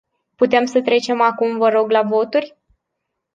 Putem să trecem acum, vă rog, la voturi?